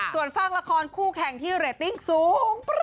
ส่วนฝากละครคู่แข่งที่เรตติ้งสูง